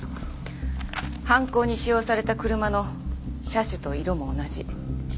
犯行に使用された車の車種と色も同じ。